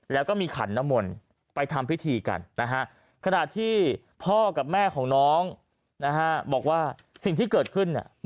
แล้วก็มีขันนมลไปทำพิธีกันนะฮะขณะที่พ่อกับแม่ของน้องนะฮะบอกว่าสิ่งที่เกิดขึ้นเนี่ย